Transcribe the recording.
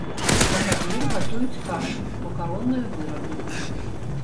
На гарнір гатуюць кашы, макаронныя вырабы.